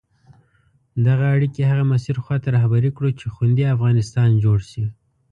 دغه اړیکي هغه مسیر خواته رهبري کړو چې خوندي افغانستان جوړ شي.